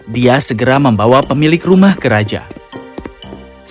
dia segera membawa pemilik rumah kerajaan